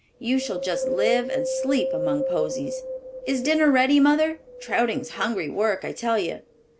You shall just live and sleep among posies. Is dinner ready, Mother? Trouting's hungry work, I tell you.